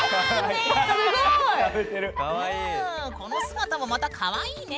この姿もまたかわいいね。